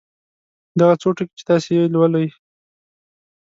دغه څو ټکي چې تاسې یې لولئ.